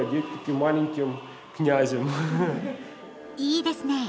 いいですね。